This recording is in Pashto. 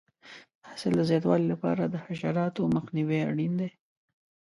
د حاصل د زیاتوالي لپاره د حشراتو مخنیوی اړین دی.